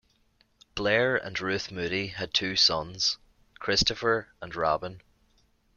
Blair and Ruth Moody had two sons, Christopher and Robin.